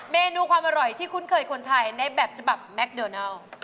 เมนูความอร่อยที่คุ้นเคยคนไทยในแบบฉบับแมคโดนัล